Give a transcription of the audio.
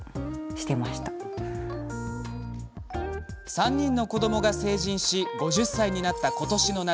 ３人の子どもが成人し５０歳になった今年の夏。